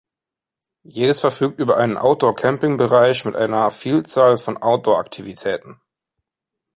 Jedes verfügt über einen Outdoor-Campingbereich mit einer Vielzahl von Outdoor-Aktivitäten.